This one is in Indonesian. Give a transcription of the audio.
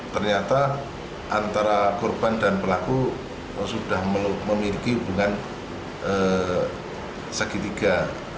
ternyata antara korban dan pelaku sudah memiliki hubungan segitiga